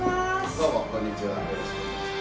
どうもこんにちは。